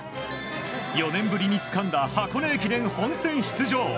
４年ぶりにつかんだ箱根駅伝本選出場。